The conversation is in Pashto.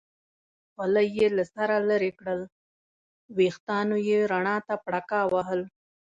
خولۍ یې له سره لرې کړل، وریښتانو یې رڼا ته پړکا وهل.